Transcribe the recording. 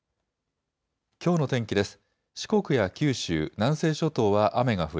きょうの天気です。